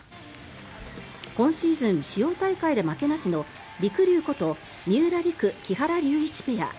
今シーズン主要大会で負けなしのりくりゅうこと三浦璃来・木原龍一ペア。